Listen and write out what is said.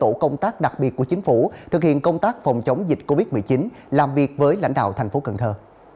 tổ công tác đặc biệt của chính phủ thực hiện công tác phòng chống dịch covid một mươi chín làm việc với lãnh đạo thành phố cần thơ